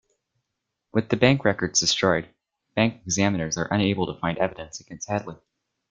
With the bank records destroyed, bank examiners are unable to find evidence against Hadley.